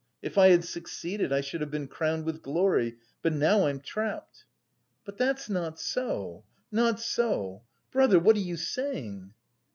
If I had succeeded I should have been crowned with glory, but now I'm trapped." "But that's not so, not so! Brother, what are you saying?"